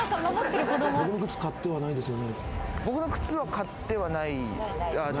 「僕の靴買ってはないですよね？」